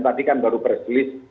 tadi kan baru press list